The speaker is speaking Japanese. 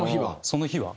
その日は。